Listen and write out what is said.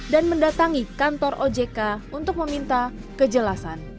dan mendatangi kantor ojibas